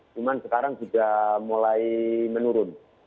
cuma sekarang sudah mulai menurun